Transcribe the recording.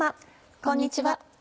こんにちは。